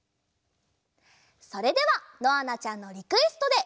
それではのあなちゃんのリクエストで。